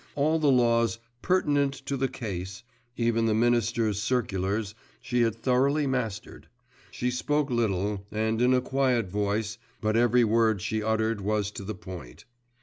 All the laws 'pertinent to the case,' even the Minister's circulars, she had thoroughly mastered. She spoke little, and in a quiet voice, but every word she uttered was to the point.